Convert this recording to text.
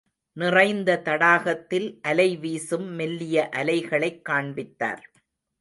நிறைந்த தடாகத்தில் அலை வீசும் மெல்லிய அலைகளைக் காண்பித்தார்.